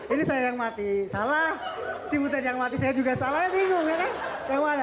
ini saya yang mati salah ciputin yang mati saya juga salahnya bingung ya kan